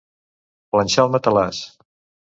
Planxar el matalàs.